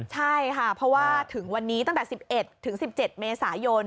ใช่ค่ะเพราะว่าถึงวันนี้ตั้งแต่๑๑ถึง๑๗เมษายน